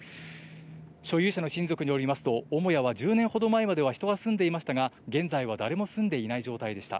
所有者の親族によりますと、母屋は１０年ほど前までは人が住んでいましたが、現在は誰も住んでいない状態でした。